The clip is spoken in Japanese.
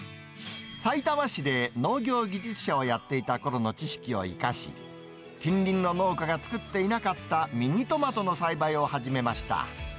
さいたま市で農業技術者をやっていたころの知識を生かし、近隣の農家が作っていなかったミニトマトの栽培を始めました。